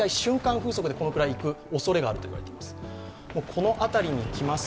風速でこのくらいいくおそれがあるといわれています。